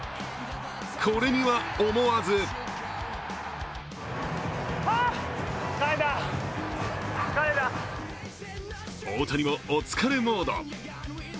これには思わず大谷もお疲れモード。